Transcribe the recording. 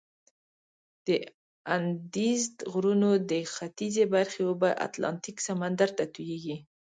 د اندیزد غرونو د ختیځي برخې اوبه اتلانتیک سمندر ته تویږي.